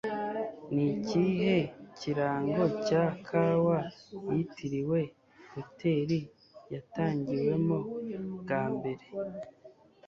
Ni ikihe kirango cya Kawa yitiriwe Hoteri Yatangiwemo bwa mbere